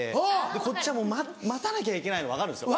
こっちは待たなきゃいけないの分かるんですよ。